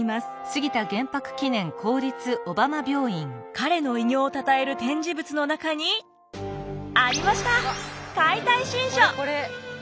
彼の偉業をたたえる展示物の中にありました「解体新書」！